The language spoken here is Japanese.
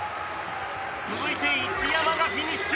続いて一山がフィニッシュ。